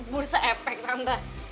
bursa epek tante